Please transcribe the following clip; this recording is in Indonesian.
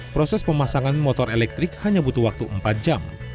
proses pemasangan motor elektrik hanya butuh waktu empat jam